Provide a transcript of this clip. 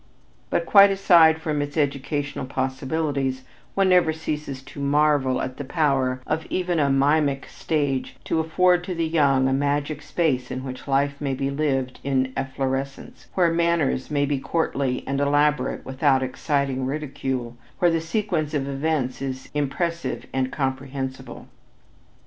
But quite aside from its educational possibilities one never ceases to marvel at the power of even a mimic stage to afford to the young a magic space in which life may be lived in efflorescence, where manners may be courtly and elaborate without exciting ridicule, where the sequence of events is impressive and comprehensible.